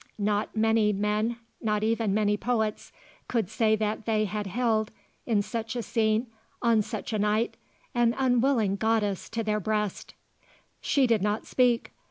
Not many men, not even many poets, could say that they had held, in such a scene, on such a night, an unwilling goddess to their breast. She did not speak.